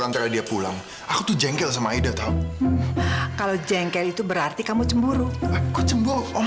antara dia pulang aku tuh jengkel sama idoto kalau jengkel itu berarti kamu cemburu aku cemburu om